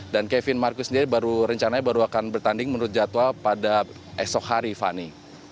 dan kevin marcus sendiri baru rencananya baru akan bertanding menurut jadwal pada esok hari fani